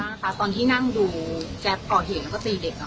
คุณให้การว่ายังไงบ้างค่ะตอนที่นั่งดูแจ๊บก่อเหตุแล้วก็ตีเด็กนะครับ